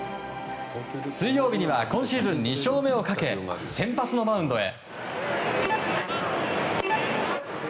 水曜日には今シーズン２勝目をかけ先発のマウンドへ。